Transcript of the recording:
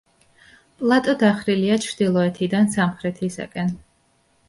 პლატო დახრილია ჩრდილოეთიდან სამხრეთისაკენ.